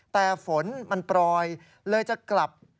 แต่ฝนมันปลอยเลยจะกลับ